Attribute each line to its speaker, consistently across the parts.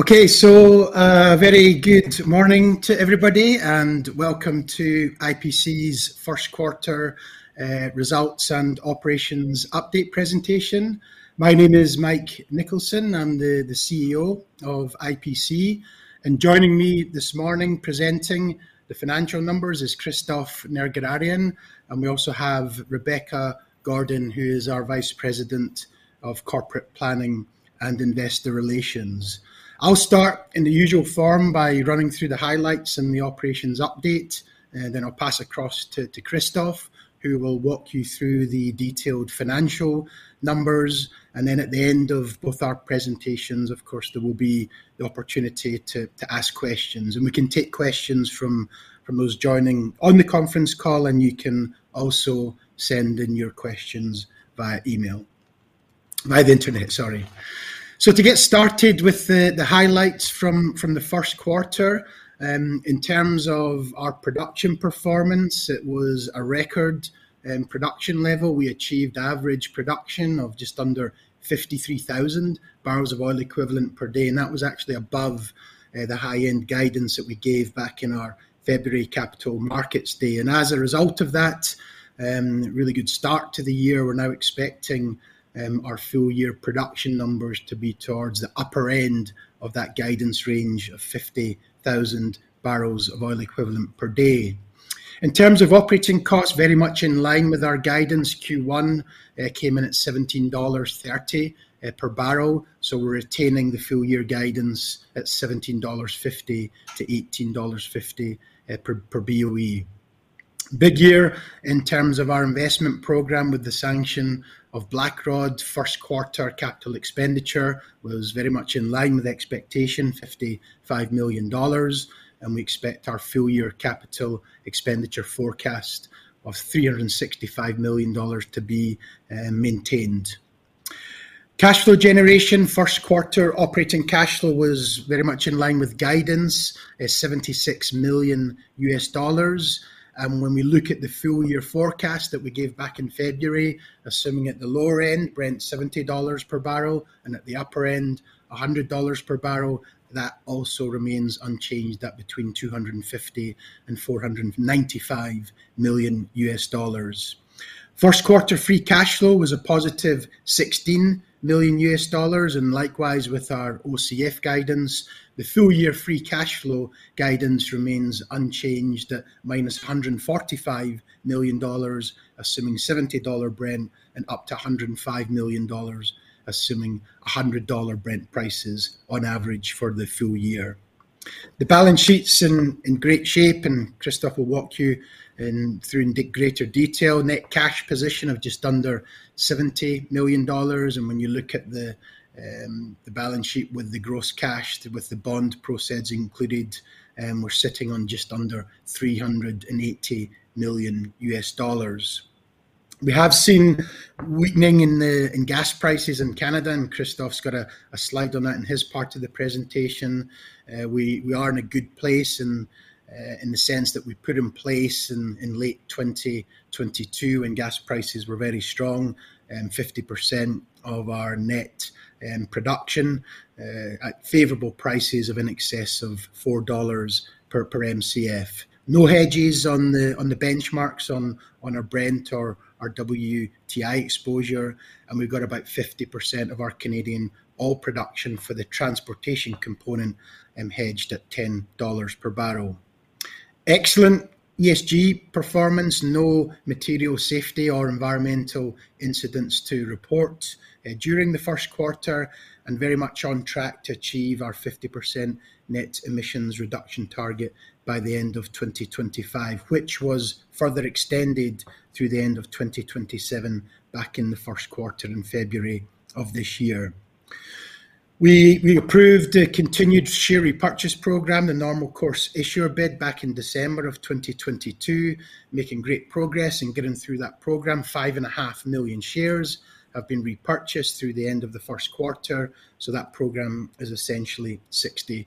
Speaker 1: Okay. Very good morning to everybody, and welcome to IPC's first quarter results and operations update presentation. My name is Mike Nicholson. I'm the CEO of IPC, and joining me this morning presenting the financial numbers is Christophe Nerguararian, and we also have Rebecca Gordon, who is our Vice President of Corporate Planning and Investor Relations. I'll start in the usual form by running through the highlights and the operations update, then I'll pass across to Christophe, who will walk you through the detailed financial numbers. At the end of both our presentations, of course, there will be the opportunity to ask questions. We can take questions from those joining on the conference call, and you can also send in your questions via email. Via the Internet, sorry. To get started with the highlights from the first quarter, in terms of our production performance, it was a record production level. We achieved average production of just under 53,000 BOE per day, and that was actually above the high-end guidance that we gave back in our February Capital Markets Day. As a result of that, really good start to the year, we're now expecting our full year production numbers to be towards the upper end of that guidance range of 50,000 BOE per day. In terms of operating costs, very much in line with our guidance. Q1 came in at $17.30 per barrel, we're retaining the full year guidance at $17.50-$18.50 per BOE. Big year in terms of our investment program with the sanction of Blackrod. First quarter CapEx was very much in line with expectation, $55 million, and we expect our full year CapEx forecast of $365 million to be maintained. Cash flow generation. First quarter OCF was very much in line with guidance at $76 million. When we look at the full year forecast that we gave back in February, assuming at the lower end Brent $70 per barrel and at the upper end $100 per barrel, that also remains unchanged at between $250 million and $495 million. First quarter free cash flow was a +$16 million, and likewise with our OCF guidance. The full year free cash flow guidance remains unchanged at -$145 million, assuming $70 Brent, and up to $105 million, assuming $100 Brent prices on average for the full year. The balance sheet's in great shape, and Christof will walk you through greater detail. Net cash position of just under $70 million. When you look at the balance sheet with the gross cash with the bond proceeds included, we're sitting on just under $380 million. We have seen weakening in gas prices in Canada, and Christof's got a slide on that in his part of the presentation. We are in a good place in the sense that we put in place in late 2022 when gas prices were very strong, 50% of our net production at favorable prices of in excess of $4 per MCF. No hedges on the benchmarks on our Brent or our WTI exposure. We've got about 50% of our Canadian oil production for the transportation component hedged at $10 per barrel. Excellent ESG performance. No material safety or environmental incidents to report during the first quarter. Very much on track to achieve our 50% net emissions reduction target by the end of 2025, which was further extended through the end of 2027 back in the first quarter in February of this year. We approved a continued share repurchase program, the normal course issuer bid back in December 2022, making great progress in getting through that program. 5.5 million shares have been repurchased through the end of the first quarter, that program is essentially 60%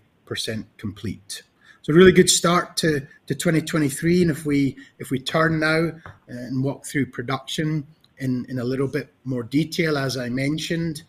Speaker 1: complete. A really good start to 2023. If we turn now and walk through production in a little bit more detail, as I mentioned,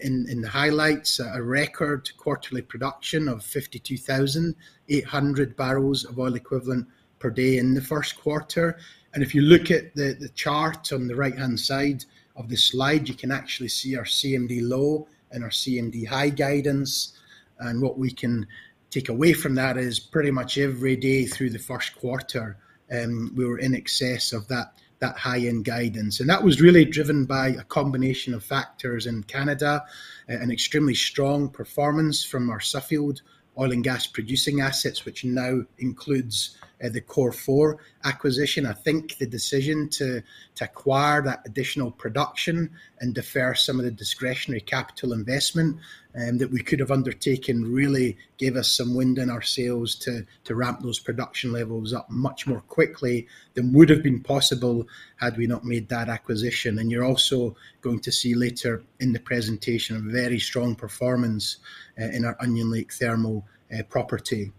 Speaker 1: in the highlights, a record quarterly production of 52,800 barrels of oil equivalent per day in the first quarter. If you look at the chart on the right-hand side of the slide, you can actually see our CMD low and our CMD high guidance. What we can take away from that is pretty much every day through the first quarter, we were in excess of that high-end guidance. That was really driven by a combination of factors in Canada, an extremely strong performance from our Suffield oil and gas producing assets, which now includes the Cor4 acquisition. I think the decision to acquire that additional production and defer some of the discretionary capital investment that we could have undertaken really gave us some wind in our sails to ramp those production levels up much more quickly than would have been possible had we not made that acquisition. You're also going to see later in the presentation a very strong performance in our Onion Lake thermal property.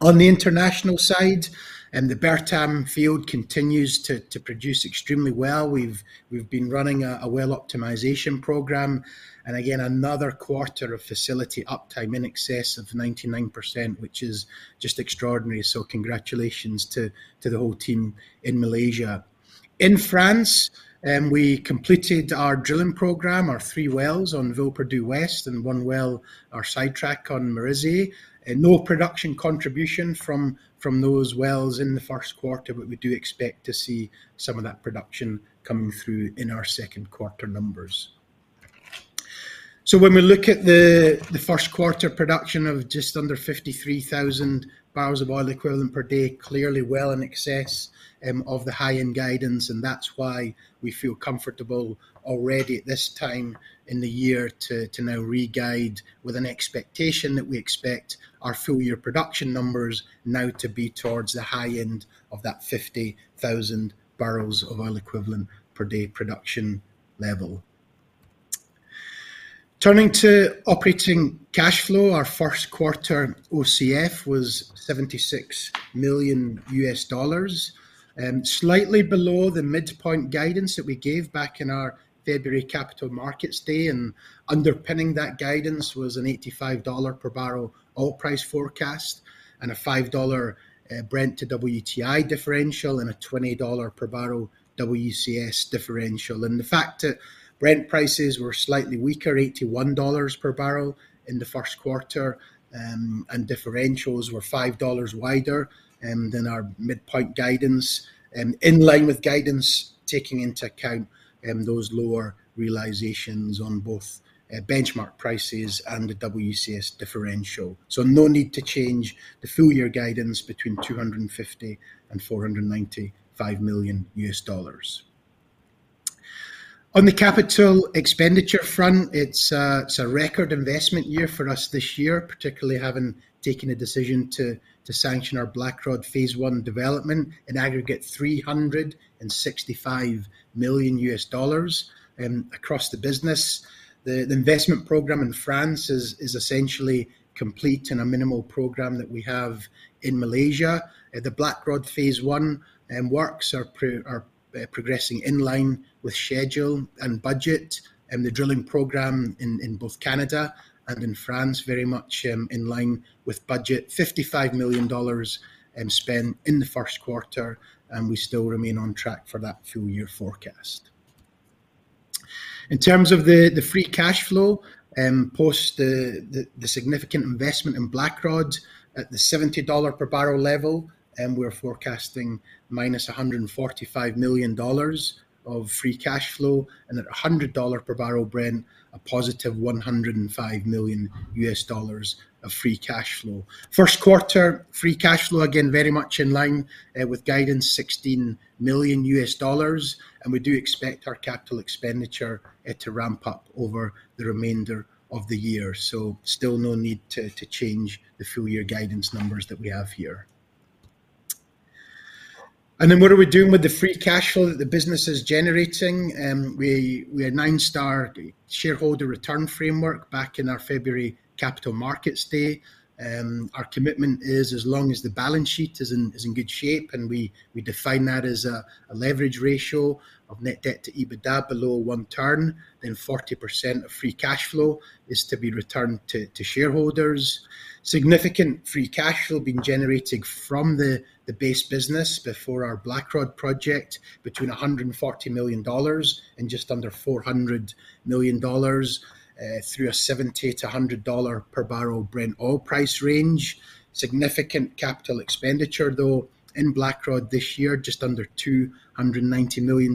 Speaker 1: On the international side, the Bertam field continues to produce extremely well. We've been running a well optimization program. Again, another quarter of facility uptime in excess of 99%, which is just extraordinary. Congratulations to the whole team in Malaysia. In France, we completed our drilling program, our three wells on Villeperdue West and one well, our sidetrack on Merisier. No production contribution from those wells in the first quarter, we do expect to see some of that production coming through in our second quarter numbers. When we look at the first quarter production of just under 53,000 BOE per day, clearly well in excess of the high-end guidance, that's why we feel comfortable already at this time in the year to now re-guide with an expectation that we expect our full year production numbers now to be towards the high end of that 50,000 BOE per day production level. Turning to Operating cash flow, our first quarter OCF was $76 million, slightly below the midpoint guidance that we gave back in our February Capital Markets Day. Underpinning that guidance was an $85 per barrel oil price forecast and a $5 Brent to WTI differential and a $20 per barrel WCS differential. The fact that Brent prices were slightly weaker, $81 per barrel in the first quarter, and differentials were $5 wider than our midpoint guidance, in line with guidance taking into account those lower realizations on both benchmark prices and the WCS differential. No need to change the full year guidance between $250 million and $495 million. On the CapEx front, it's a record investment year for us this year, particularly having taken a decision to sanction our Blackrod phase one development, in aggregate $365 million across the business. The investment program in France is essentially complete and a minimal program that we have in Malaysia. The Blackrod phase one works are Are progressing in line with schedule and budget. The drilling program in both Canada and in France very much in line with budget. $55 million spent in the first quarter, and we still remain on track for that full year forecast. In terms of the free cash flow post the significant investment in Blackrod at the $70 per barrel level, we're forecasting -$145 million of free cash flow. At a $100 per barrel Brent, a +$105 million of free cash flow. First quarter free cash flow, again, very much in line with guidance, $16 million. We do expect our capital expenditure to ramp up over the remainder of the year. Still no need to change the full year guidance numbers that we have here. What are we doing with the free cash flow that the business is generating? We had nine-star shareholder return framework back in our February Capital Markets Day. Our commitment is as long as the balance sheet is in good shape, and we define that as a leverage ratio of net debt to EBITDA below one turn, then 40% of free cash flow is to be returned to shareholders. Significant free cash flow being generated from the base business before our Blackrod project between $140 million and just under $400 million through a $70-$100 per barrel Brent oil price range. Significant capital expenditure, though, in Blackrod this year, just under $290 million,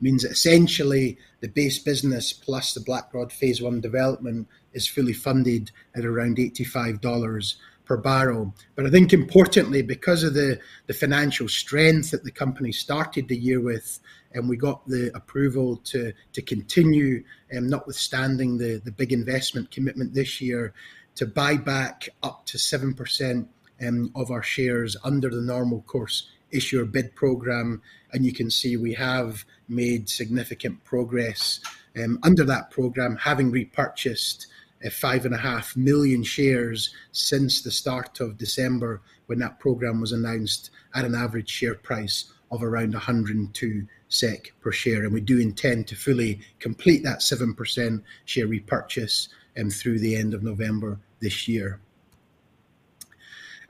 Speaker 1: means that essentially the base business plus the Blackrod phase one development is fully funded at around $85 per barrel. I think importantly, because of the financial strength that the company started the year with, we got the approval to continue, notwithstanding the big investment commitment this year to buy back up to 7% of our shares under the normal course issuer bid program. You can see we have made significant progress under that program, having repurchased 5.5 million shares since the start of December when that program was announced at an average share price of around 102 SEK per share. We do intend to fully complete that 7% share repurchase through the end of November this year.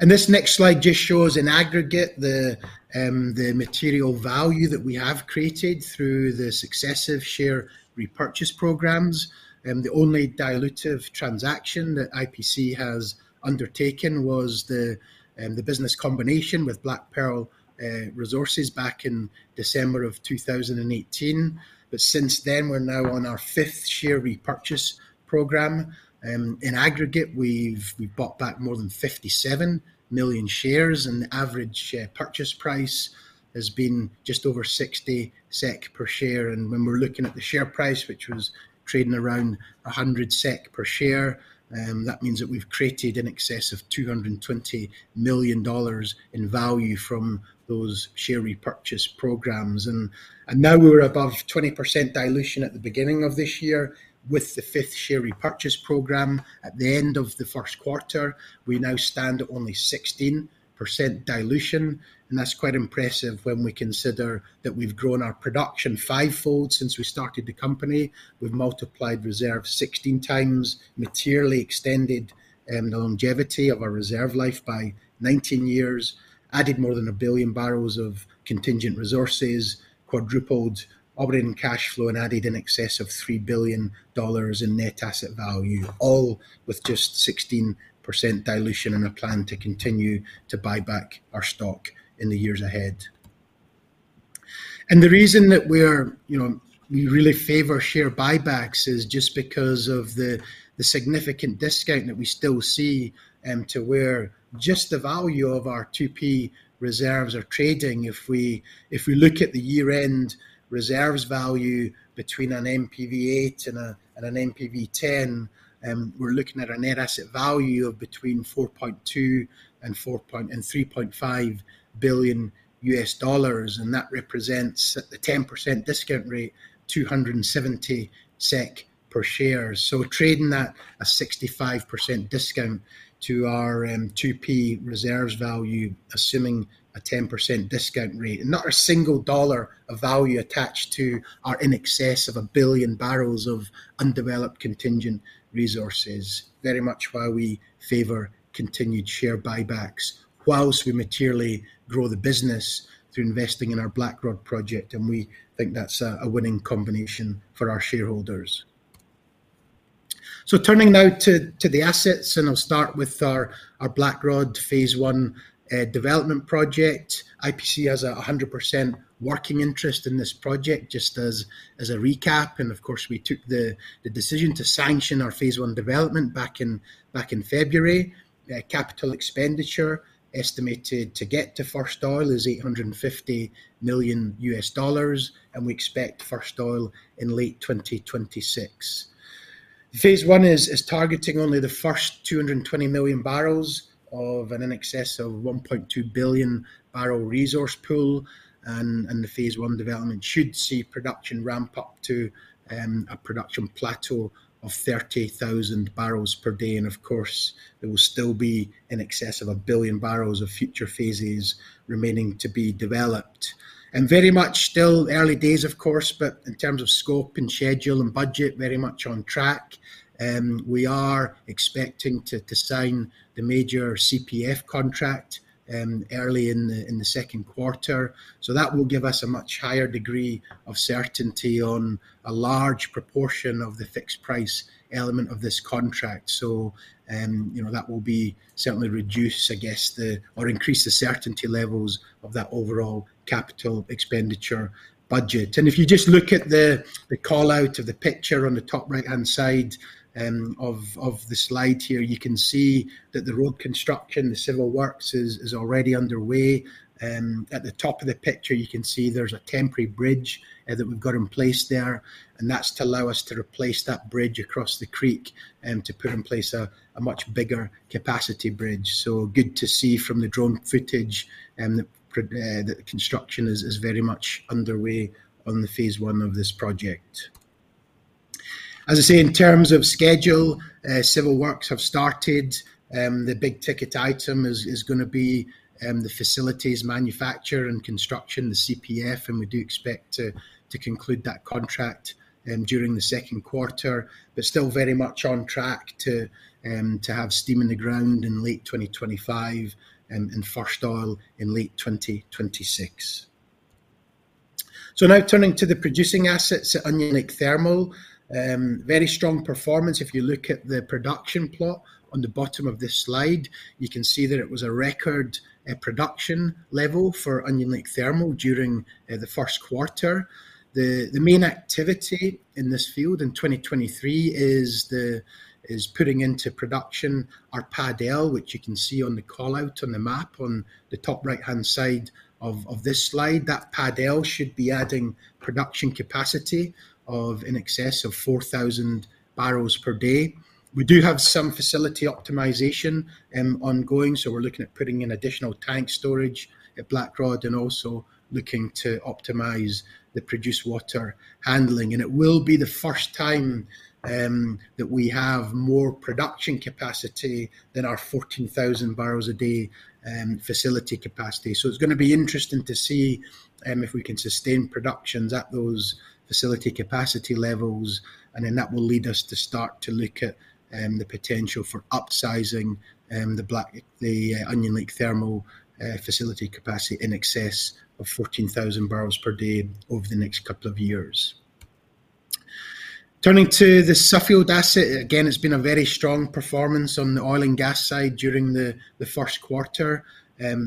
Speaker 1: This next slide just shows in aggregate the material value that we have created through the successive share repurchase programs. The only dilutive transaction that IPC has undertaken was the business combination with BlackPearl Resources back in December of 2018. Since then, we're now on our fifth share repurchase program. In aggregate, we bought back more than 57 million shares, and the average share purchase price has been just over 60 SEK per share. When we're looking at the share price, which was trading around 100 SEK per share, that means that we've created in excess of $220 million in value from those share repurchase programs. Now we were above 20% dilution at the beginning of this year with the fifth share repurchase program. At the end of the first quarter, we now stand at only 16% dilution. That's quite impressive when we consider that we've grown our production fivefold since we started the company. We've multiplied reserves 16x, materially extended the longevity of our reserve life by 19 years, added more than 1 billion barrels of contingent resources, quadrupled operating cash flow, and added in excess of $3 billion in net asset value, all with just 16% dilution and a plan to continue to buy back our stock in the years ahead. The reason that we're, you know, we really favor share buybacks is just because of the significant discount that we still see to where just the value of our 2P reserves are trading. If we, if we look at the year-end reserves value between an NPV 8 and an NPV 10, we're looking at a net asset value of between $4.2 and $4. $3.5 billion, and that represents at the 10% discount rate, 270 SEK per share. Trading at a 65% discount to our 2P reserves value, assuming a 10% discount rate. Not a single dollar of value attached to our in excess of 1 billion barrels of undeveloped contingent resources. Very much why we favor continued share buybacks whilst we materially grow the business through investing in our Blackrod project, we think that's a winning combination for our shareholders. Turning now to the assets, I'll start with our Blackrod phase one development project. IPC has 100% working interest in this project, just as a recap. Of course, we took the decision to sanction our phase one development back in February. The capital expenditure estimated to get to first oil is $850 million, and we expect first oil in late 2026. Phase one is targeting only the first 220 million barrels of an excess of 1.2 billion barrel resource pool. The phase one development should see production ramp up to a production plateau of 30,000 barrels per day. Of course, there will still be in excess of 1 billion barrels of future phases remaining to be developed. Very much still early days, of course, but in terms of scope and schedule and budget, very much on track. We are expecting to sign the major CPF contract early in the second quarter. That will give us a much higher degree of certainty on a large proportion of the fixed price element of this contract. You know, that will certainly reduce, I guess, or increase the certainty levels of that overall CapEx budget. If you just look at the call-out of the picture on the top right-hand side of the slide here. You can see that the road construction, the civil works is already underway. At the top of the picture, you can see there's a temporary bridge that we've got in place there, and that's to allow us to replace that bridge across the creek to put in place a much bigger capacity bridge. Good to see from the drone footage, the construction is very much underway on the Phase 1 of this project. As I say, in terms of schedule, civil works have started. The big ticket item is gonna be the facilities manufacture and construction, the CPF, and we do expect to conclude that contract during the second quarter. Still very much on track to have steam in the ground in late 2025 and first oil in late 2026. Now turning to the producing assets at Onion Lake Thermal. Very strong performance. If you look at the production plot on the bottom of this slide, you can see that it was a record production level for Onion Lake Thermal during the first quarter. The main activity in this field in 2023 is putting into production our Pad L, which you can see on the call-out on the map on the top right-hand side of this slide. That Pad L should be adding production capacity of in excess of 4,000 barrels per day. We do have some facility optimization ongoing, so we're looking at putting in additional tank storage at Blackrod and also looking to optimize the produced water handling. It will be the first time that we have more production capacity than our 14,000 barrels a day facility capacity. It's gonna be interesting to see if we can sustain productions at those facility capacity levels. That will lead us to start to look at the potential for upsizing the Onion Lake Thermal facility capacity in excess of 14,000 barrels per day over the next couple of years. Turning to the Suffield asset. Again, it's been a very strong performance on the oil and gas side during the first quarter.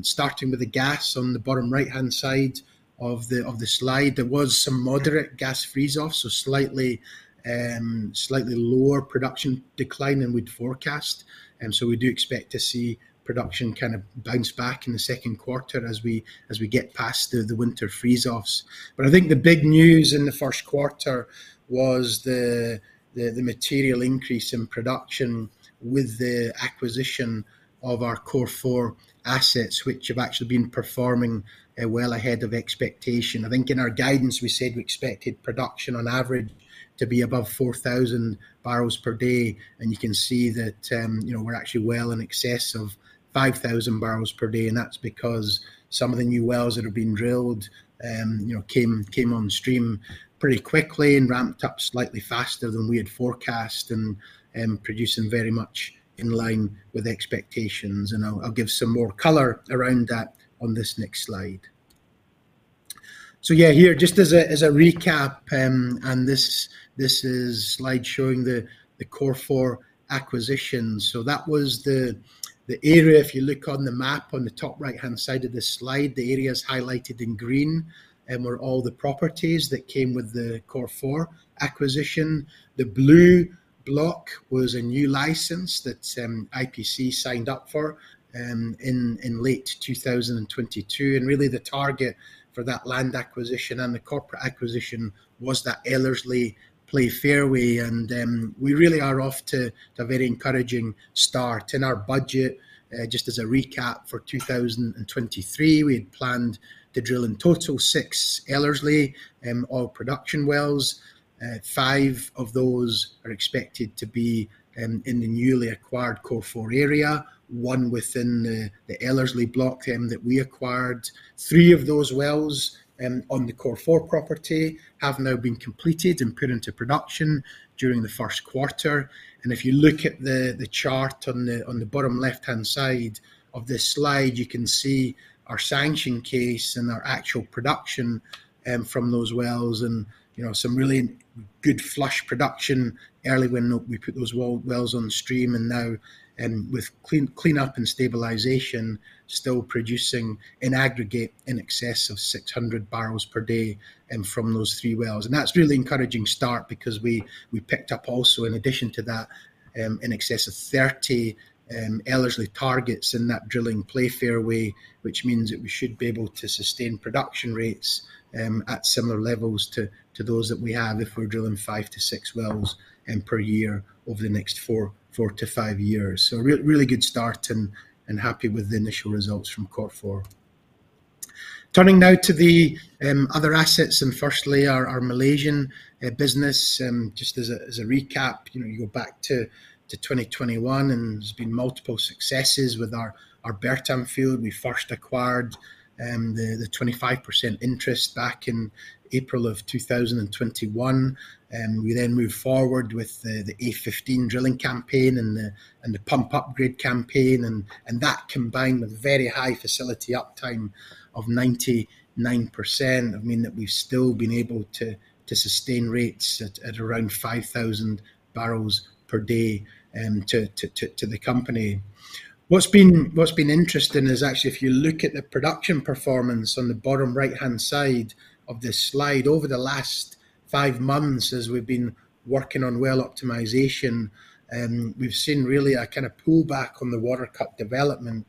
Speaker 1: Starting with the gas on the bottom right-hand side of the slide. There was some moderate gas freeze-off, so slightly lower production decline than we'd forecast. We do expect to see production kind of bounce back in the second quarter as we get past the winter freeze-offs. I think the big news in the first quarter was the material increase in production with the acquisition of our Cor4 assets, which have actually been performing well ahead of expectation. I think in our guidance we said we expected production on average to be above 4,000 barrels per day. You can see that, you know, we're actually well in excess of 5,000 barrels per day. That's because some of the new wells that have been drilled, you know, came on stream pretty quickly and ramped up slightly faster than we had forecast and producing very much in line with expectations. I'll give some more color around that on this next slide. Yeah, here just as a recap, and this is slide showing the Cor4 acquisitions. That was the area, if you look on the map up on the top right-hand side of this slide, the areas highlighted in green, were all the properties that came with the Cor4 acquisition. The blue block was a new license that IPC signed up for in late 2022. Really the target for that land acquisition and the Cor4 acquisition was that Ellerslie play fairway. We really are off to a very encouraging start. In our budget, just as a recap for 2023, we had planned to drill in total six Ellerslie oil production wells. Five of those are expected to be in the newly acquired Cor4 area, one within the Ellerslie block that we acquired. Three of those wells on the Cor4 property have now been completed and put into production during the first quarter. If you look at the chart on the bottom left-hand side of this slide, you can see our sanction case and our actual production from those wells and, you know, some really good flush production early when we put those wells on stream. Now, with cleanup and stabilization, still producing in aggregate in excess of 600 barrels per day from those three wells. That's a really encouraging start because we picked up also in addition to that, in excess of 30 Ellerslie targets in that drilling play fairway, which means that we should be able to sustain production rates at similar levels to those that we have if we're drilling five to six wells per year over the next four to five years. Really good start and happy with the initial results from Cor4. Turning now to the other assets, firstly our Malaysian business. Just as a recap, you know, you go back to 2021, there's been multiple successes with our Bertam field. We first acquired the 25% interest back in April of 2021. We then moved forward with the A-15 drilling campaign and the pump upgrade campaign. That combined with very high facility uptime of 99% have meant that we've still been able to sustain rates at around 5,000 barrels per day to the company. What's been interesting is actually if you look at the production performance on the bottom right-hand side of this slide, over the last five months as we've been working on well optimization, we've seen really a kind of pullback on the watercut development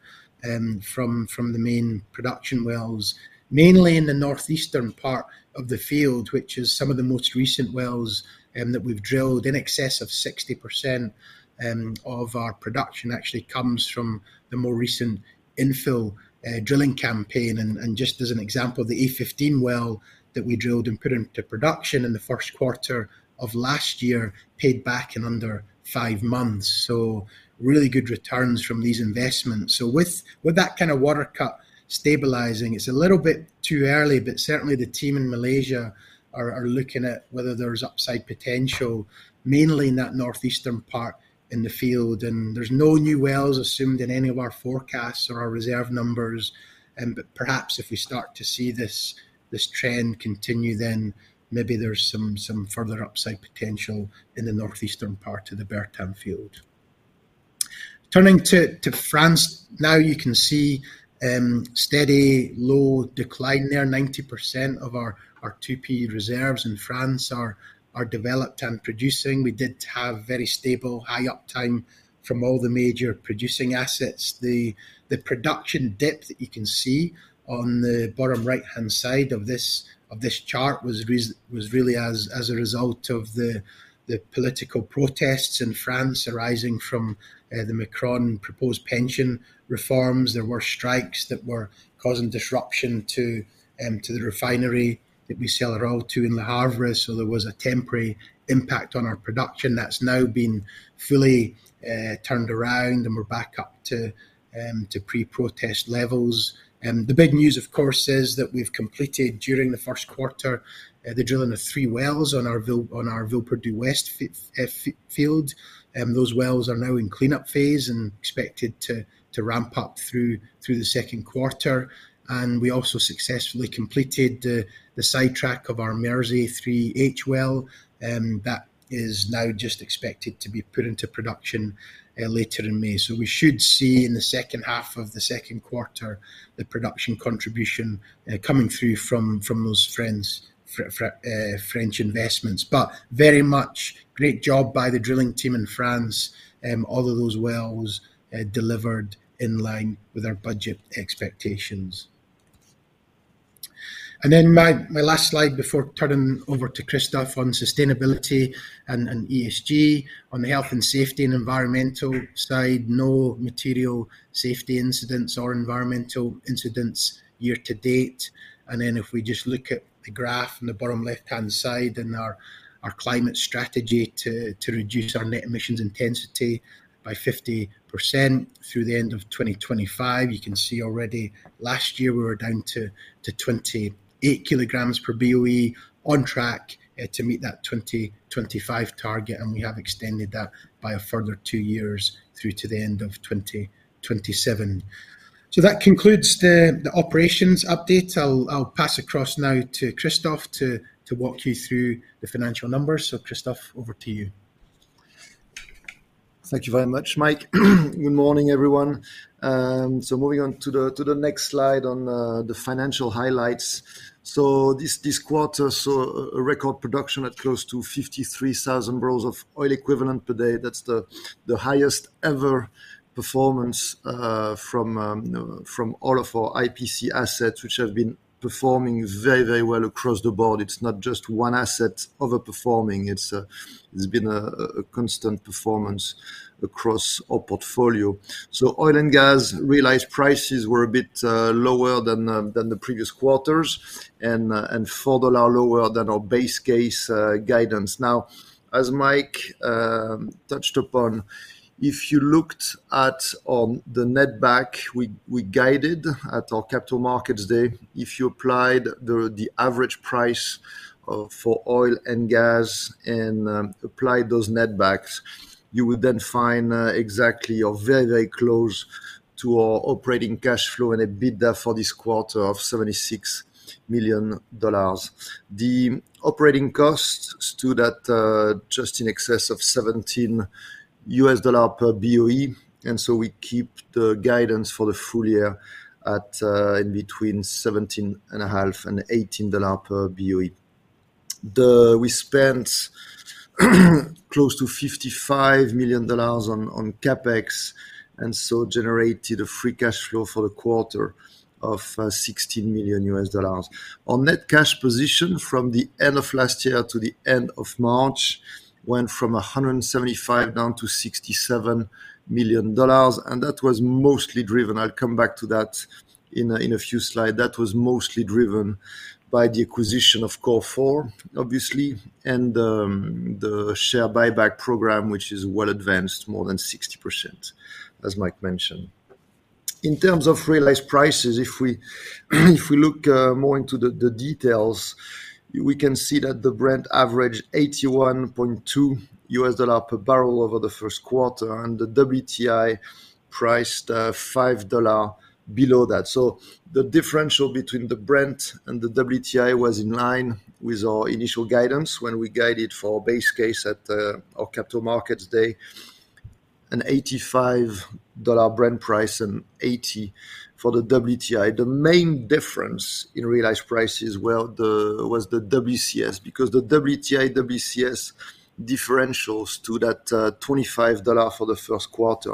Speaker 1: from the main production wells. Mainly in the northeastern part of the field, which is some of the most recent wells that we've drilled. In excess of 60% of our production actually comes from the more recent infill drilling campaign. Just as an example, the A-15 well that we drilled and put into production in the first quarter of last year paid back in under five months. Really good returns from these investments. With that kind of water cut stabilizing, it's a little bit too early, but certainly the team in Malaysia are looking at whether there's upside potential, mainly in that northeastern part in the field. There's no new wells assumed in any of our forecasts or our reserve numbers. Perhaps if we start to see this trend continue, maybe there's some further upside potential in the northeastern part of the Bertam field. Turning to France now, you can see steady low decline there. 90% of our 2P reserves in France are developed and producing. We did have very stable high uptime from all the major producing assets. The production dip that you can see on the bottom right-hand side of this chart was really as a result of the political protests in France arising from the Macron proposed pension reforms. There were strikes that were causing disruption to the refinery that we sell our oil to in Le Havre. There was a temporary impact on our production. That's now been fully turned around, and we're back up to pre-protest levels. The big news, of course, is that we've completed during the first quarter the drilling of three wells on our Villeperdue West field. Those wells are now in cleanup phase and expected to ramp up through the second quarter. We also successfully completed the sidetrack of our Merisier 3-H well. That is now just expected to be put into production later in May. We should see in the second half of the second quarter the production contribution coming through from those French investments. Very much great job by the drilling team in France. All of those wells delivered in line with our budget expectations. My last slide before turning over to Christophe on sustainability and ESG. On the health and safety and environmental side, no material safety incidents or environmental incidents year to date. If we just look at the graph in the bottom left-hand side and our climate strategy to reduce our net emissions intensity by 50% through the end of 2025. You can see already last year we were down to 28 kg per BOE, on track to meet that 2025 target, and we have extended that by a further two years through to the end of 2027. That concludes the operations update. I'll pass across now to Christophe to walk you through the financial numbers. Christophe, over to you.
Speaker 2: Thank you very much, Mike. Good morning, everyone. Moving on to the next slide on the financial highlights. This quarter saw a record production at close to 53,000 barrels of oil equivalent per day. That's the highest ever performance from all of our IPC assets, which have been performing very, very well across the board. It's not just one asset overperforming, it's been a constant performance across our portfolio. Oil and gas realized prices were a bit lower than the previous quarters and $4 lower than our base case guidance. As Mike touched upon, if you looked at the netback we guided at our Capital Markets Day, if you applied the average price for oil and gas and applied those netbacks, you would then find exactly or very, very close to our operating cash flow and EBITDA for this quarter of $76 million. Operating costs stood at just in excess of $17 BOE, we keep the guidance for the full year at in between $17.5 and $18 BOE. We spent close to $55 million on CapEx, generated a free cash flow for the quarter of $16 million. Our net cash position from the end of last year to the end of March went from 175 down to $67 million. I'll come back to that in a few slide. That was mostly driven by the acquisition of Cor4, obviously, and the share buyback program, which is well advanced, more than 60%, as Mike mentioned. In terms of realized prices, if we look more into the details, we can see that the Brent averaged $81.2 per barrel over the first quarter, and the WTI priced $5 below that. The differential between the Brent and the WTI was in line with our initial guidance when we guided for our base case at our Capital Markets Day, an $85 Brent price and $80 for the WTI. The main difference in realized prices was the WCS, because the WTI WCS differentials to that $25 for the first quarter.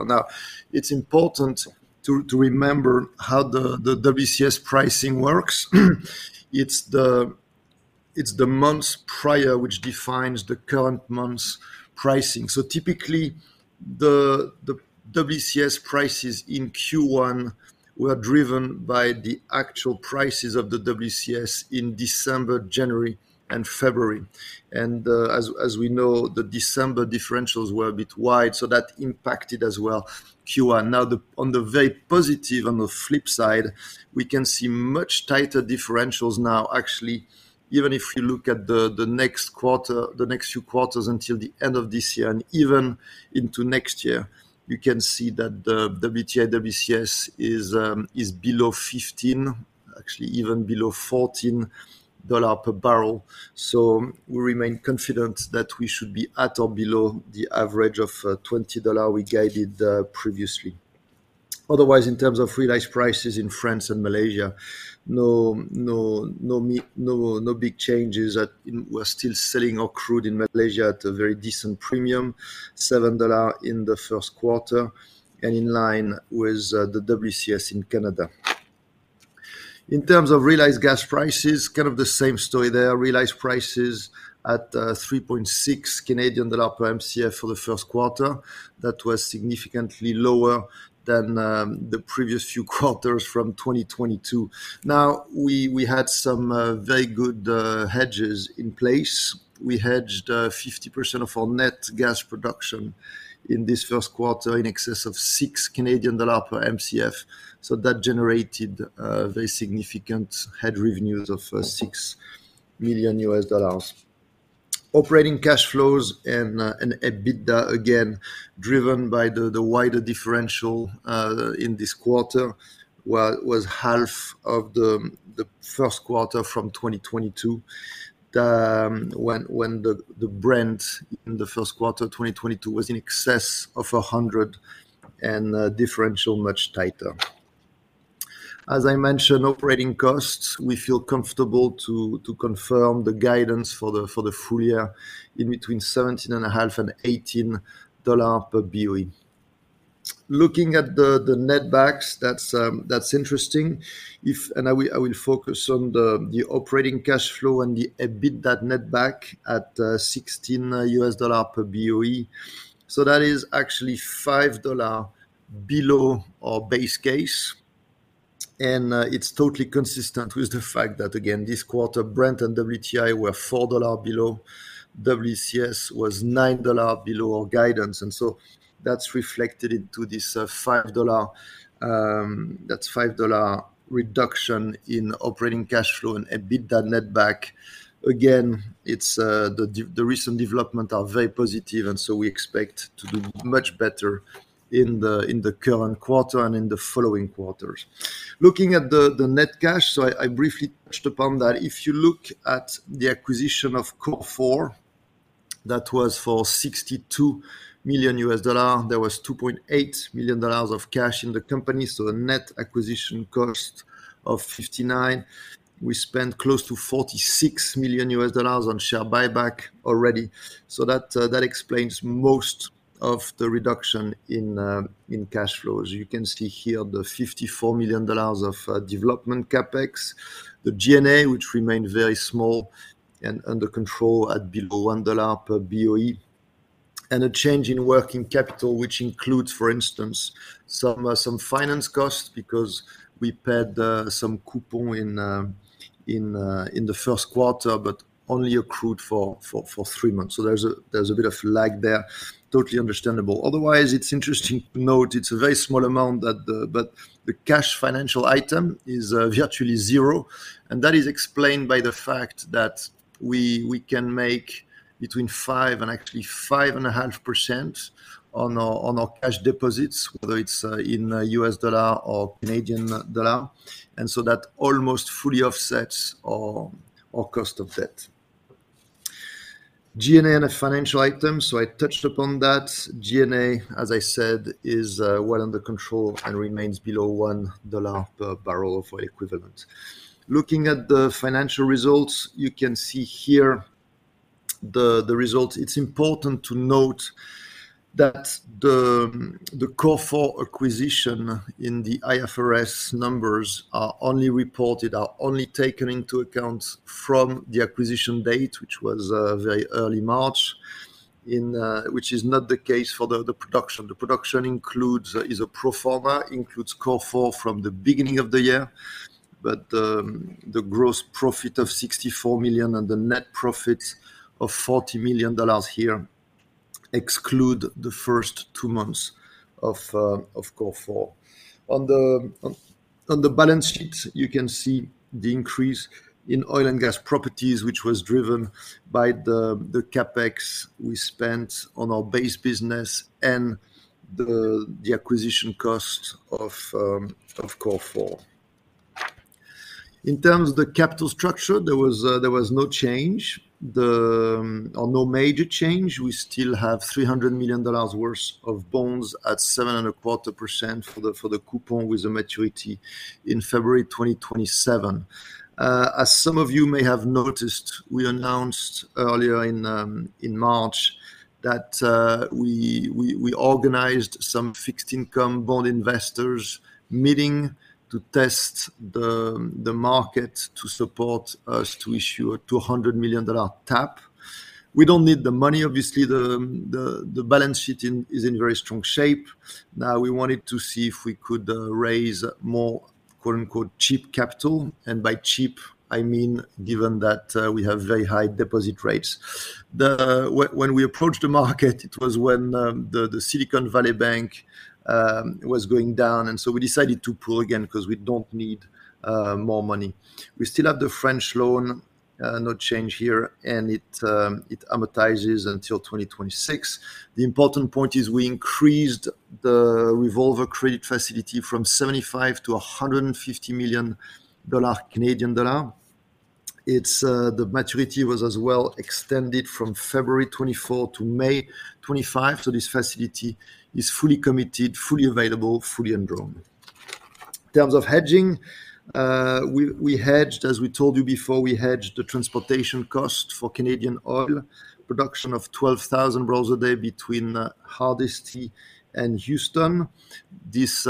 Speaker 2: It's important to remember how the WCS pricing works. It's the month's prior which defines the current month's pricing. Typically, the WCS prices in Q1 were driven by the actual prices of the WCS in December, January, and February. As we know, the December differentials were a bit wide, that impacted as well Q1. On the very positive, on the flip side, we can see much tighter differentials now. Actually, even if you look at the next quarter, the next few quarters until the end of this year and even into next year, you can see that the WTI WCS is below $15, actually even below $14 per barrel. We remain confident that we should be at or below the average of $20 we guided previously. Otherwise, in terms of realized prices in France and Malaysia, no big changes. We're still selling our crude in Malaysia at a very decent premium, $7 in the first quarter and in line with the WCS in Canada. In terms of realized gas prices, kind of the same story there. Realized prices at 3.6 Canadian dollar per Mcf for the first quarter. That was significantly lower than the previous few quarters from 2022. We had some very good hedges in place. We hedged 50% of our net gas production in this first quarter in excess of 6 Canadian dollars per Mcf. That generated very significant hedge revenues of $6 million. Operating cash flows and EBITDA, again, driven by the wider differential in this quarter was half of the first quarter from 2022, when the Brent in the first quarter of 2022 was in excess of 100 and differential much tighter. As I mentioned, operating costs, we feel comfortable to confirm the guidance for the full year in between $17.5 and $18 per BOE. Looking at the netbacks, that's interesting. I will focus on the operating cash flow and the EBITDA netback at $16 per BOE. That is actually $5 below our base case, and it's totally consistent with the fact that, again, this quarter, Brent and WTI were $4 below. WCS was $9 below our guidance, that's reflected into this $5. That's $5 reduction in operating cash flow and EBITDA netback. Again, it's the recent development are very positive, we expect to do much better in the current quarter and in the following quarters. Looking at the net cash, I briefly touched upon that. If you look at the acquisition of Cor4, that was for $62 million. There was $2.8 million of cash in the company, the net acquisition cost of $59. We spent close to $46 million on share buyback already. That explains most of the reduction in cash flows. You can see here the $54 million of development CapEx, the G&A, which remained very small and under control at below $1 per BOE, and a change in working capital, which includes, for instance, some finance costs because we paid some coupon in the first quarter, but only accrued for three months. There's a bit of lag there. Totally understandable. Otherwise, it's interesting to note it's a very small amount that the cash financial item is virtually zero, and that is explained by the fact that we can make between 5% and actually 5.5% on our cash deposits, whether it's in US dollar or Canadian dollar, and so that almost fully offsets our cost of debt. G&A and the financial items. I touched upon that. G&A, as I said, is well under control and remains below $1 per barrel for equivalent. Looking at the financial results, you can see here the results. It's important to note that the Cor4 acquisition in the IFRS numbers are only taken into account from the acquisition date, which was very early March, which is not the case for the production. The production includes is a pro forma, includes Cor4 from the beginning of the year, but the gross profit of $64 million and the net profit of $40 million here exclude the first two months of Cor4. On the balance sheet, you can see the increase in oil and gas properties, which was driven by the CapEx we spent on our base business and the acquisition cost of Cor4. In terms of the capital structure, there was no change, or no major change. We still have $300 million worth of bonds at 7.25% for the coupon with a maturity in February 2027. As some of you may have noticed, we announced earlier in March that we organized some fixed income bond investors meeting to test the market to support us to issue a $200 million TAP. We don't need the money. Obviously, the balance sheet is in very strong shape. Now, we wanted to see if we could raise more "cheap capital," and by cheap, I mean, given that we have very high deposit rates. When we approached the market, it was when the Silicon Valley Bank was going down, and so we decided to pull again 'cause we don't need more money. We still have the French loan, no change here, and it amortizes until 2026. The important point is we increased the revolver credit facility from 75 million-150 million dollar. Its maturity was as well extended from February 2024-May 2025. This facility is fully committed, fully available, fully undrawn. In terms of hedging, we hedged, as we told you before, we hedged the transportation cost for Canadian oil production of 12,000 barrels a day between Hardisty and Houston. This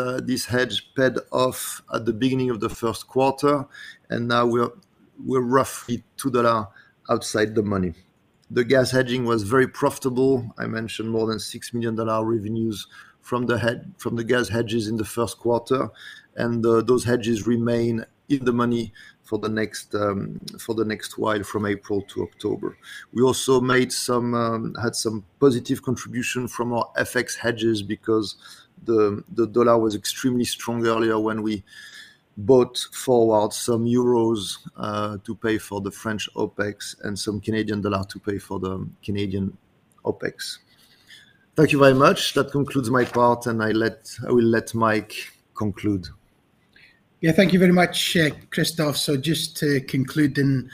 Speaker 2: hedge paid off at the beginning of the first quarter. Now we're roughly $2 outside the money. The gas hedging was very profitable. I mentioned more than $6 million revenues from the gas hedges in the first quarter, and those hedges remain in the money for the next while from April to October. We also made some had some positive contribution from our FX hedges because the dollar was extremely strong earlier when we bought forward some euros to pay for the French OpEx and some Canadian dollar to pay for the Canadian OpEx. Thank you very much. That concludes my part, and I will let Mike conclude.
Speaker 1: Yeah. Thank you very much, Christophe. Just to conclude in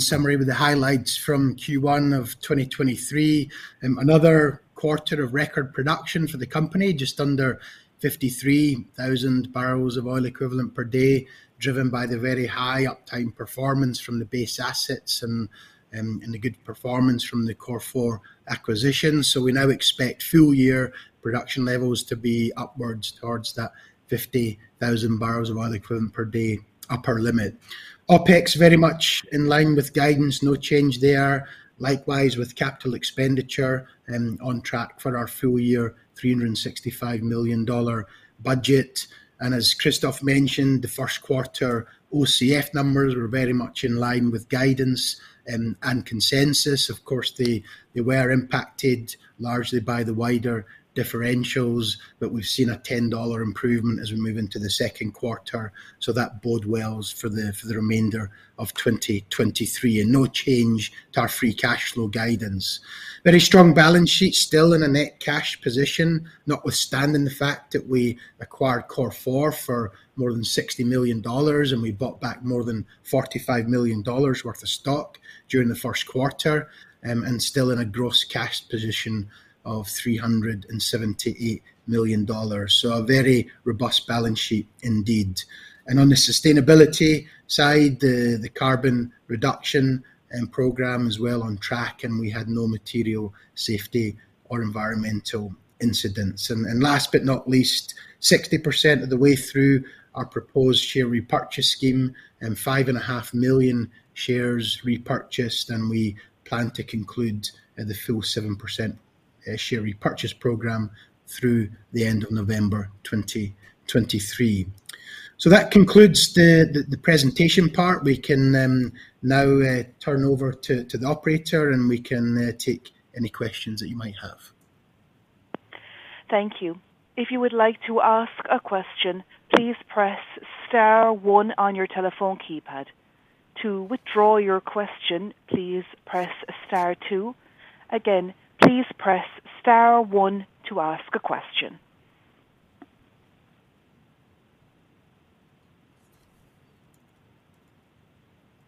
Speaker 1: summary with the highlights from Q1 of 2023, another quarter of record production for the company, just under 53,000 BOE per day, driven by the very high uptime performance from the base assets and the good performance from the Cor4 acquisition. We now expect full-year production levels to be upwards towards that 50,000 BOE per day upper limit. OpEx very much in line with guidance, no change there. Likewise with CapEx, on track for our full year $365 million budget. As Christophe mentioned, the first quarter OCF numbers were very much in line with guidance and consensus. Of course, they were impacted largely by the wider differentials. We've seen a $10 improvement as we move into the second quarter, so that bodes well for the remainder of 2023 and no change to our free cash flow guidance. Very strong balance sheet, still in a net cash position, notwithstanding the fact that we acquired Cor4 for more than $60 million, we bought back more than $45 million worth of stock during the first quarter, and still in a gross cash position of $378 million. A very robust balance sheet indeed. On the sustainability side, the carbon reduction program is well on track, and we had no material safety or environmental incidents. Last but not least, 60% of the way through our proposed share repurchase scheme and 5.5 million shares repurchased, and we plan to conclude at the full 7%. A share repurchase program through the end of November 2023. That concludes the presentation part. We can now turn over to the operator, and we can take any questions that you might have.
Speaker 3: Thank you. If you would like to ask a question, please press star one on your telephone keypad. To withdraw your question, please press star two. Again, please press star one to ask a question.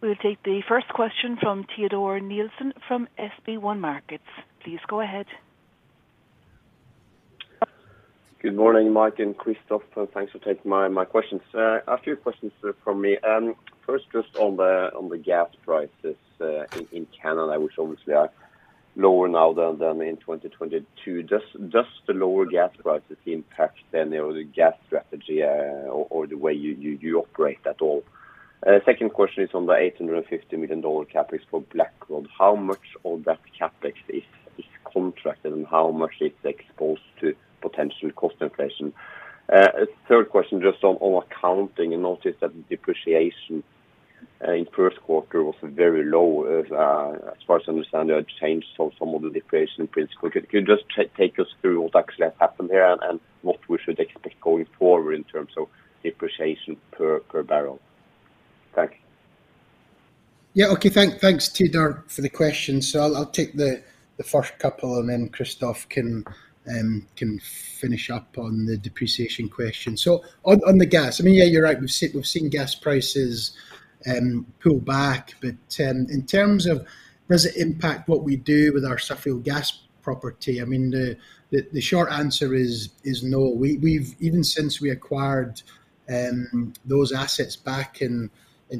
Speaker 3: We'll take the first question from Teodor Sveen-Nilsen from SB1 Markets. Please go ahead.
Speaker 4: Good morning, Mike and Christophe. Thanks for taking my questions. A few questions from me. First, just on the gas prices in Canada, which obviously are lower now than in 2022. Does the lower gas prices impact then your gas strategy or the way you operate at all? Second question is on the $850 million CapEx for Blackrod. How much of that CapEx is contracted, and how much is exposed to potential cost inflation? A third question just on accounting. I noticed that the depreciation in first quarter was very low. As far as I understand you had changed some of the depreciation principles. Could you just take us through what actually has happened here and what we should expect going forward in terms of depreciation per barrel? Thank you.
Speaker 1: Okay. Thanks, Teodor, for the question. I'll take the first couple, and then Christophe can finish up on the depreciation question. On the gas, I mean, yeah, you're right. We've seen gas prices pull back. In terms of does it impact what we do with our Suffield gas property, I mean, the short answer is no. Even since we acquired those assets back in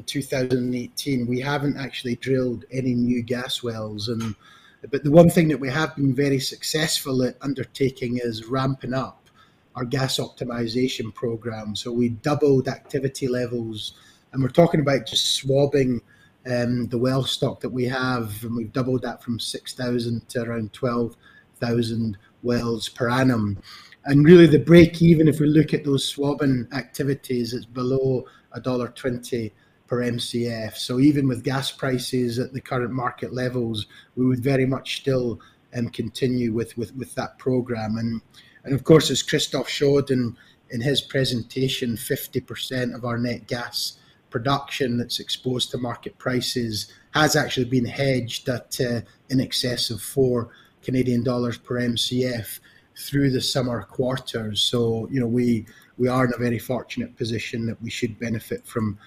Speaker 1: 2018, we haven't actually drilled any new gas wells. The one thing that we have been very successful at undertaking is ramping up our gas optimization program. We doubled activity levels, and we're talking about just swabbing the well stock that we have, and we've doubled that from 6,000 to around 12,000 wells per annum. Really the break, even if we look at those swabbing activities, it's below $1.20 per Mcf. Even with gas prices at the current market levels, we would very much still continue with that program. Of course, as Christophe showed in his presentation, 50% of our net gas production that's exposed to market prices has actually been hedged at in excess of 4 Canadian dollars per Mcf through the summer quarters. You know, we are in a very fortunate position that we should benefit from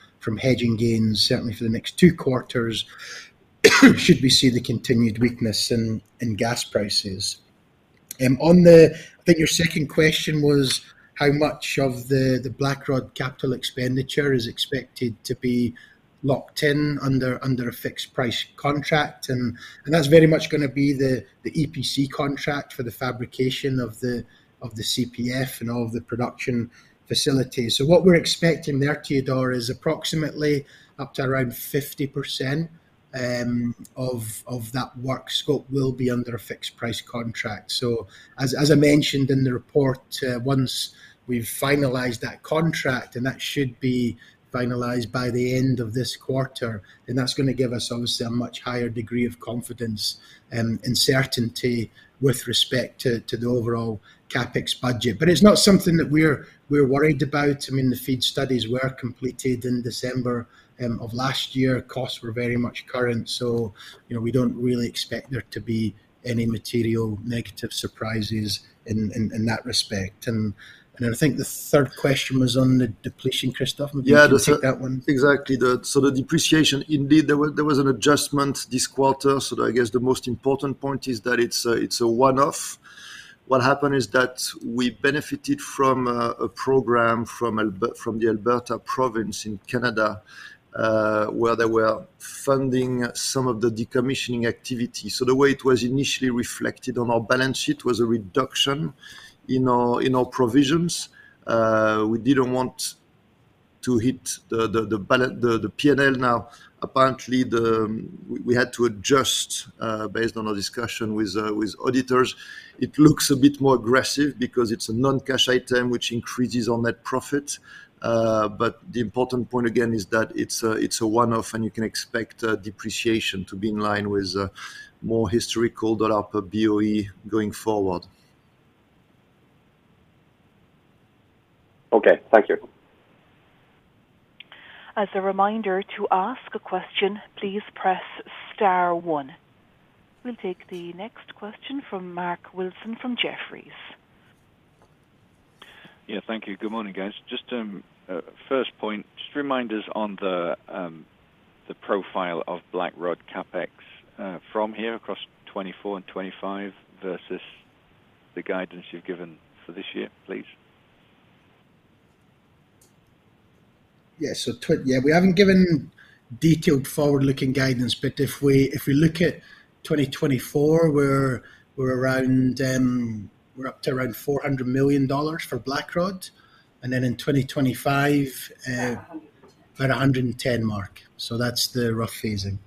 Speaker 1: hedging gains certainly for the next two quarters, should we see the continued weakness in gas prices. On the... I think your second question was how much of the Blackrod capital expenditure is expected to be locked in under a fixed price contract and that's very much gonna be the EPC contract for the fabrication of the CPF and all of the production facilities. What we're expecting there, Teodor, is approximately up to around 50% of that work scope will be under a fixed price contract. As I mentioned in the report, once we've finalized that contract, and that should be finalized by the end of this quarter, then that's gonna give us obviously a much higher degree of confidence and certainty with respect to the overall CapEx budget. It's not something that we're worried about. I mean, the FEED studies were completed in December of last year. Costs were very much current, so, you know, we don't really expect there to be any material negative surprises in that respect. I think the third question was on the depletion, Christophe. Maybe you can take that one.
Speaker 2: Exactly. The depreciation, indeed, there was an adjustment this quarter. I guess the most important point is that it's a one-off. What happened is that we benefited from a program from the Alberta province in Canada, where they were funding some of the decommissioning activity. The way it was initially reflected on our balance sheet was a reduction in our provisions. We didn't want to hit the P&L. Apparently, the. We had to adjust based on our discussion with auditors. It looks a bit more aggressive because it's a non-cash item which increases on net profit. The important point again is that it's a, it's a one-off, and you can expect depreciation to be in line with more historical dollar per BOE going forward.
Speaker 4: Okay. Thank you.
Speaker 3: As a reminder, to ask a question, please press star one. We'll take the next question from Mark Wilson from Jefferies.
Speaker 5: Yeah. Thank you. Good morning, guys. Just, first point, just remind us on the profile of Blackrod CapEx from here across 2024 and 2025 versus the guidance you've given for this year, please.
Speaker 1: Yeah. Yeah. We haven't given detailed forward-looking guidance. If we, if we look at 2024, we're around. We're up to around $400 million for Blackrod. Then in 2025.
Speaker 5: About 100%....
Speaker 1: about 110 mark. That's the rough phasing.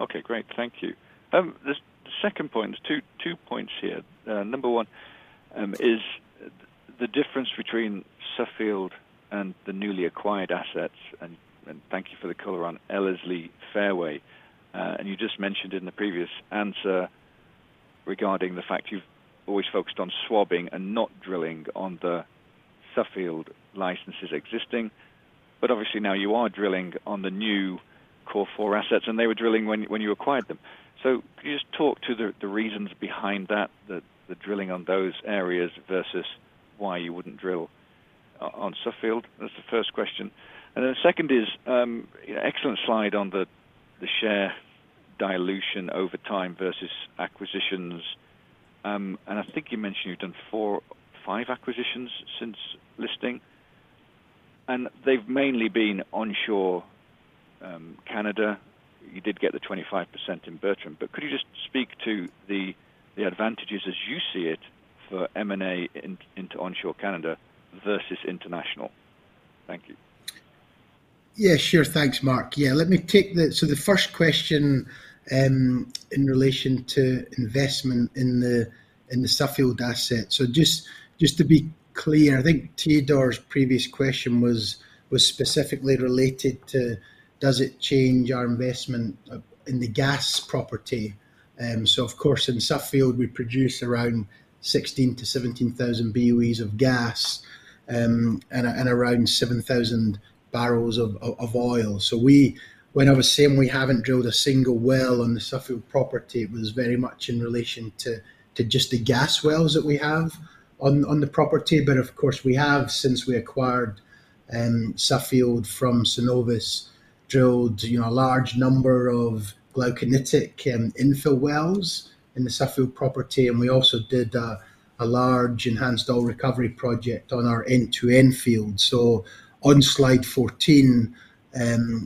Speaker 5: Okay, great. Thank you. The second point, two points here. Number one is the difference between Suffield and the newly acquired assets. Thank you for the color on Ellerslie-Fairway. You just mentioned in the previous answer regarding the fact you've always focused on swabbing and not drilling on the Suffield licenses existing, obviously now you are drilling on the new Cor4 assets, and they were drilling when you acquired them. Could you just talk to the reasons behind that, the drilling on those areas versus why you wouldn't drill on Suffield? That's the first question. The second is excellent slide on the share dilution over time versus acquisitions. I think you mentioned you've done four... five acquisitions since listing, and they've mainly been onshore Canada. You did get the 25% in Bertam. Could you just speak to the advantages as you see it for M&A in, into onshore Canada versus international? Thank you.
Speaker 1: Sure. Thanks, Mark. Let me take the first question in relation to investment in the Suffield asset. Just to be clear, I think Theodore's previous question was specifically related to, does it change our investment in the gas property? Of course, in Suffield, we produce around 16,000 BOEs-17,000 BOEs of gas, and around 7,000 barrels of oil. When I was saying we haven't drilled a single well on the Suffield property, it was very much in relation to just the gas wells that we have on the property. Of course, we have, since we acquired Suffield from Cenovus, drilled, you know, a large number of glauconitic infill wells in the Suffield property, and we also did a large enhanced oil recovery project on our N2N field. On slide 14,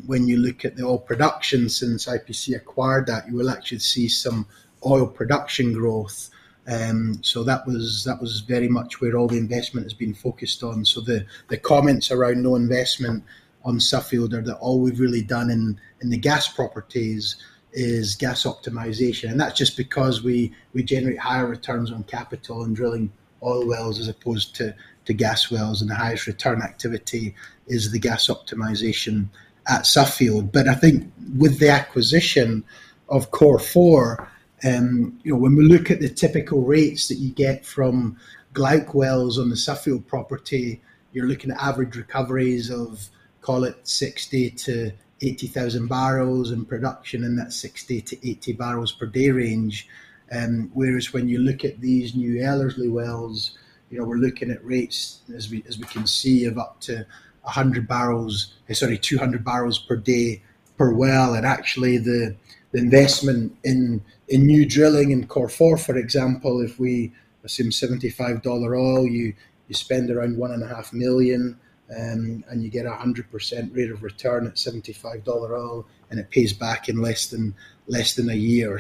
Speaker 1: when you look at the oil production since IPC acquired that, you will actually see some oil production growth. That was, that was very much where all the investment has been focused on. The comments around no investment on Suffield are that all we've really done in the gas properties is gas optimization. That's just because we generate higher returns on capital and drilling oil wells as opposed to gas wells. The highest return activity is the gas optimization at Suffield. I think with the acquisition of Cor4, you know, when we look at the typical rates that you get from glau wells on the Suffield property, you're looking at average recoveries of, call it 60,000 barrels-80,000 barrels in production in that 60 barrels-80 barrels per day range. Whereas when you look at these new Ellerslie wells, you know, we're looking at rates, as we can see, of up to 200 barrels per day per well. Actually the investment in new drilling in Cor4, for example, if we assume $75 oil, you spend around $1.5 million and you get a 100% rate of return at $75 oil, and it pays back in less than a year.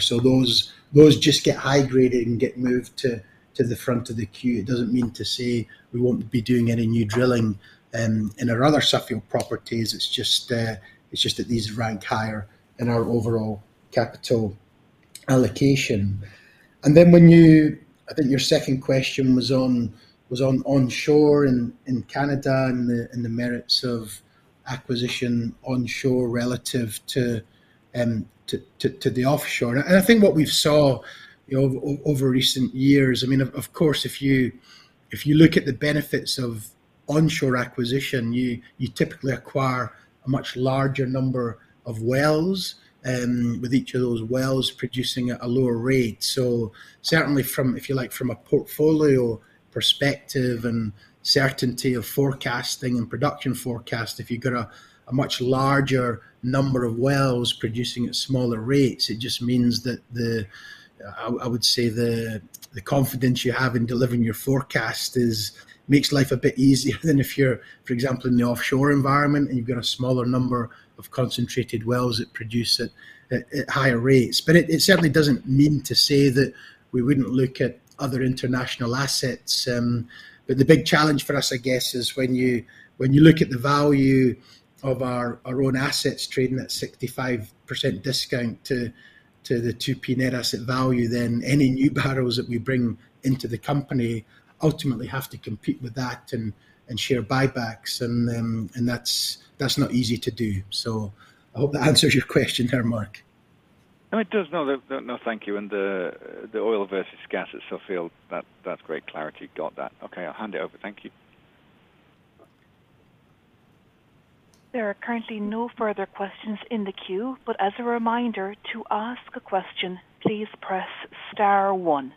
Speaker 1: Those just get high graded and get moved to the front of the queue. It doesn't mean to say we won't be doing any new drilling in our other Suffield properties. It's just that these rank higher in our overall capital allocation. I think your second question was on onshore in Canada and the merits of acquisition onshore relative to the offshore. I mean, of course, if you look at the benefits of onshore acquisition, you typically acquire a much larger number of wells with each of those wells producing at a lower rate. Certainly from, if you like, from a portfolio perspective and certainty of forecasting and production forecast, if you've got a much larger number of wells producing at smaller rates, it just means that the, I would say the confidence you have in delivering your forecast is. Makes life a bit easier than if you're, for example, in the offshore environment and you've got a smaller number of concentrated wells that produce at higher rates. It, it certainly doesn't mean to say that we wouldn't look at other international assets. The big challenge for us, I guess, is when you, when you look at the value of our own assets trading at 65% discount to the 2P net asset value, then any new barrels that we bring into the company ultimately have to compete with that and share buybacks. That's not easy to do. I hope that answers your question there, Mark.
Speaker 5: No, it does. No, thank you. The oil versus gas at Suffield, that's great clarity. Got that. Okay, I'll hand it over. Thank you.
Speaker 3: There are currently no further questions in the queue. As a reminder, to ask a question, please press star one.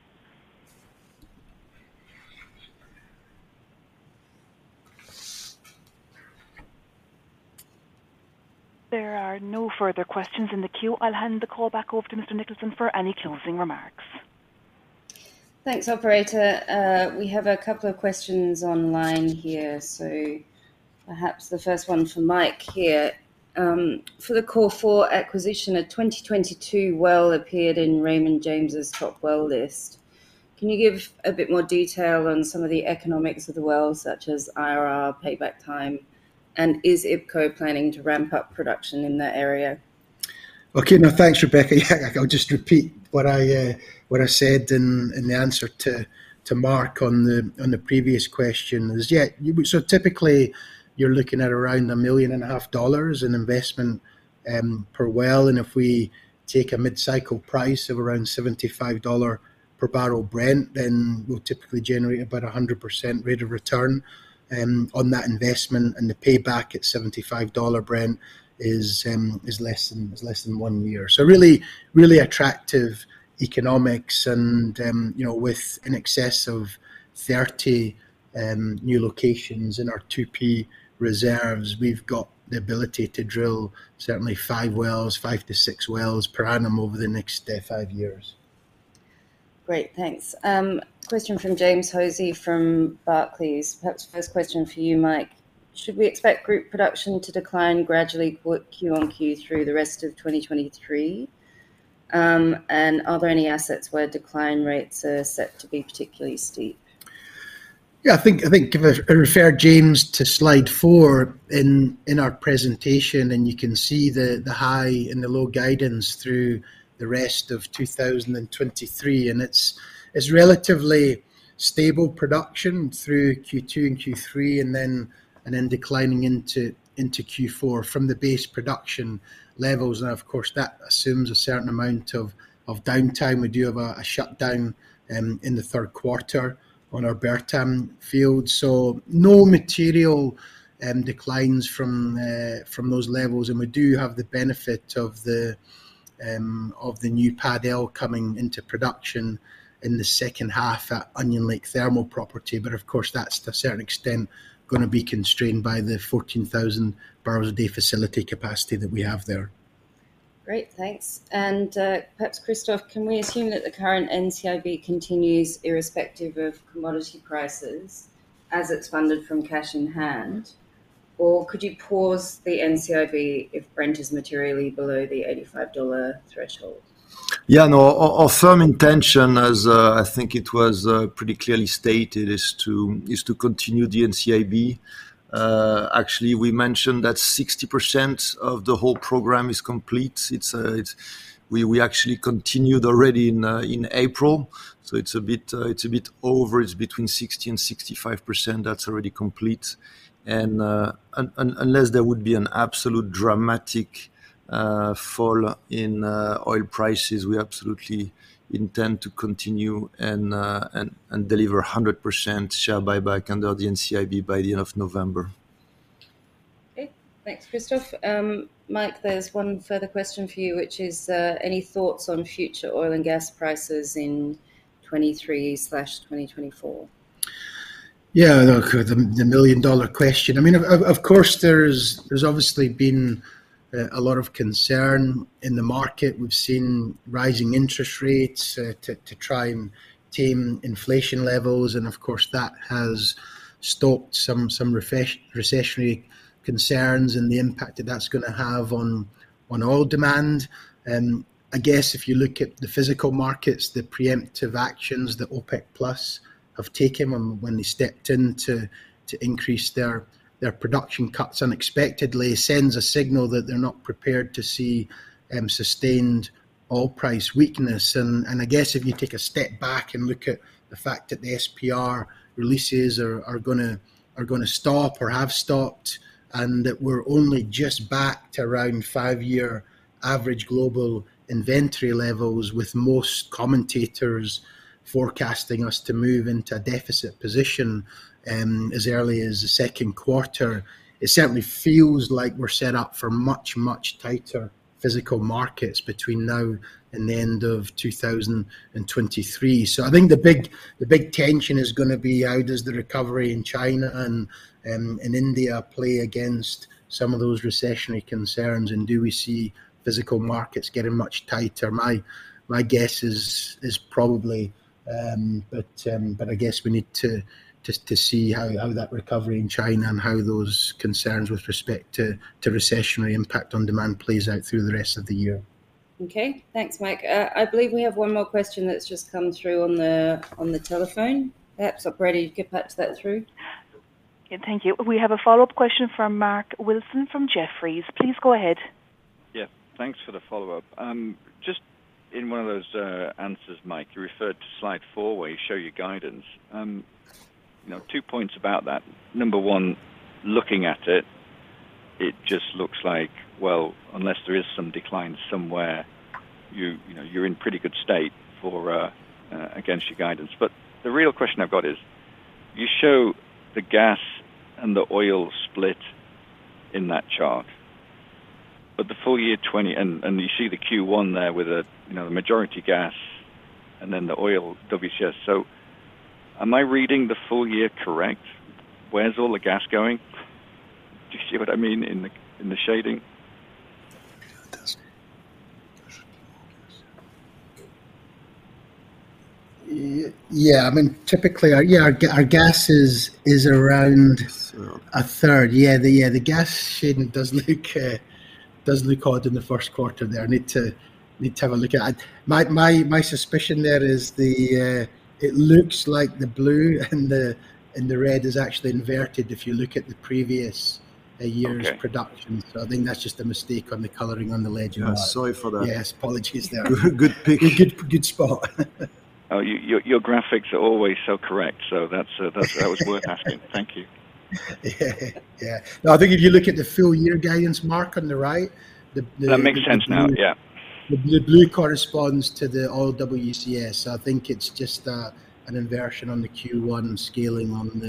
Speaker 3: There are no further questions in the queue. I'll hand the call back over to Mr. Nicholson for any closing remarks.
Speaker 6: Thanks, operator. We have a couple of questions online here. Perhaps the first one for Mike here. For the Cor4 acquisition at 2022 well appeared in Raymond James's top well list. Can you give a bit more detail on some of the economics of the wells such as IRR, payback time? Is IPCO planning to ramp up production in that area?
Speaker 1: Okay. Thanks, Rebecca. I'll just repeat what I said in the answer to Mark on the previous question. Typically you're looking at around a million and a half dollars in investment per well. If we take a mid-cycle price of around $75 per barrel Brent, we'll typically generate about 100% rate of return on that investment. The payback at $75 Brent is less than one year. Really attractive economics. You know, with an excess of 30 new locations in our 2P reserves, we've got the ability to drill certainly five wells, five to six wells per annum over the next five years.
Speaker 6: Great. Thanks. Question from James Hosie from Barclays. Perhaps first question for you, Mike: Should we expect group production to decline gradually Q-on-Q through the rest of 2023? Are there any assets where decline rates are set to be particularly steep?
Speaker 1: Yeah, I think I referred James to slide four in our presentation. You can see the high and the low guidance through the rest of 2023. It's relatively stable production through Q2 and Q3 then declining into Q4 from the base production levels. Of course that assumes a certain amount of downtime. We do have a shutdown in the third quarter on our Bertam field. No material declines from those levels. We do have the benefit of the new pad L coming into production in the second half at Onion Lake thermal property. Of course that's to a certain extent gonna be constrained by the 14,000 barrels a day facility capacity that we have there.
Speaker 6: Great. Thanks. Perhaps Christophe, can we assume that the current NCIB continues irrespective of commodity prices as it's funded from cash in hand? Or could you pause the NCIB if Brent is materially below the $85 threshold?
Speaker 2: Yeah. No. Our firm intention as I think it was pretty clearly stated is to continue the NCIB. Actually we mentioned that 60% of the whole program is complete. We actually continued already in April, so it's a bit over. It's between 60% and 65% that's already complete. Unless there would be an absolute dramatic fall in oil prices, we absolutely intend to continue and deliver 100% share buyback under the NCIB by the end of November.
Speaker 6: Okay. Thanks, Christophe. Mike, there's one further question for you, which is, any thoughts on future oil and gas prices in 2023/2024?
Speaker 1: The million dollar question. I mean, of course, there's obviously been a lot of concern in the market. We've seen rising interest rates to try and tame inflation levels, of course that has stoked some recessionary concerns and the impact that that's gonna have on oil demand. I guess if you look at the physical markets, the preemptive actions that OPEC+ have taken on when they stepped in to increase their production cuts unexpectedly sends a signal that they're not prepared to see sustained oil price weakness. I guess if you take a step back and look at the fact that the SPR releases are gonna stop or have stopped, and that we're only just back to around five-year average global inventory levels with most commentators forecasting us to move into a deficit position as early as the second quarter. It certainly feels like we're set up for much, much tighter physical markets between now and the end of 2023. I think the big tension is gonna be how does the recovery in China and India play against some of those recessionary concerns, and do we see physical markets getting much tighter? My guess is probably, but I guess we need to see how that recovery in China and how those concerns with respect to recessionary impact on demand plays out through the rest of the year.
Speaker 6: Okay. Thanks, Mike. I believe we have one more question that's just come through on the, on the telephone. Perhaps, operator, you could patch that through.
Speaker 3: Yeah. Thank you. We have a follow-up question from Mark Wilson from Jefferies. Please go ahead.
Speaker 5: Yeah. Thanks for the follow-up. Just in one of those answers, Mike, you referred to slide four where you show your guidance. You know, two points about that. Number one, looking at it just looks like, well, unless there is some decline somewhere, you know, you're in pretty good state for against your guidance. The real question I've got is you show the gas and the oil split in that chart, the full year 2020. You see the Q1 there with the, you know, the majority gas and then the oil WCS. Am I reading the full year correct? Where's all the gas going? Do you see what I mean in the shading?
Speaker 1: I does. I mean, typically our gas is around a third. The gas shading does look odd in the first quarter there. I need to have a look at. My suspicion there is, it looks like the blue and the red is actually inverted if you look at the previous year's.
Speaker 5: Okay...
Speaker 1: production. I think that's just a mistake on the coloring on the legend Mark.
Speaker 5: Yeah. Sorry for that.
Speaker 1: Yes. Apologies there.
Speaker 5: Good, good pick.
Speaker 1: Good spot.
Speaker 5: Oh, your graphics are always so correct, so that was worth asking. Thank you.
Speaker 1: Yeah. No, I think if you look at the full year guidance, Mark, on the right, the blue-
Speaker 5: That makes sense now. Yeah. ...
Speaker 1: the blue corresponds to the oil WCS. I think it's just an inversion on the Q1 scaling on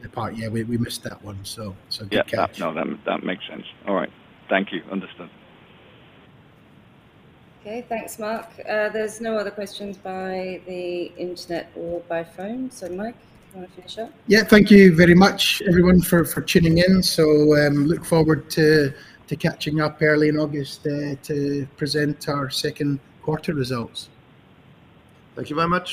Speaker 1: the part. Yeah, we missed that one, so good catch.
Speaker 5: Yeah. No, that makes sense. All right. Thank you. Understood.
Speaker 6: Okay. Thanks, Mark. There's no other questions by the internet or by phone. Mike, you wanna finish up?
Speaker 1: Yeah. Thank you very much, everyone, for tuning in. Look forward to catching up early in August to present our second quarter results.
Speaker 2: Thank you very much.